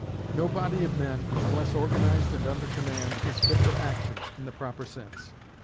No body of men, unless organized and under command, is fit for action, in the proper sense.